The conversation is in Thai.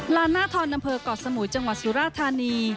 ลานหน้าทอดนำเภอกอดสมุยจังหวัดสุราธารณี